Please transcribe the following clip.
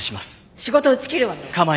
仕事打ち切るわよ。